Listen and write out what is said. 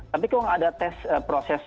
tapi kok gak ada tes proses